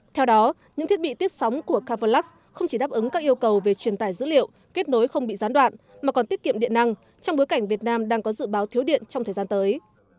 theo đó những thiết bị tiếp sóng của kavalax không chỉ đáp ứng các yêu cầu về truyền tải dữ liệu kết nối không bị gián đoạn mà còn tiết kiệm điện năng trong bối cảnh việt nam đang có dự báo thiếu điện trong thời gian tới